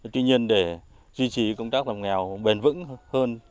tuy nhiên để duy trì công tác xã hội nghèo bền vững hơn